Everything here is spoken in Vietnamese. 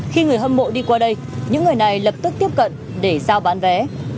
khi người hâm mộ đi qua đây những người này lập tức tiếp cận để giao bán vé